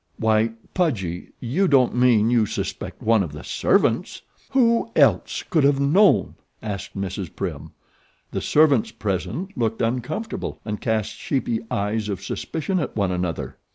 "Why, Pudgy, you don't mean you suspect one of the servants?" "Who else could have known?" asked Mrs. Prim. The servants present looked uncomfortable and cast sheepish eyes of suspicion at one another.